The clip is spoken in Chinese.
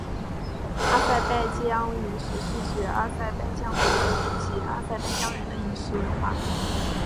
阿塞拜疆饮食是指阿塞拜疆国内及阿塞拜疆人的饮食文化。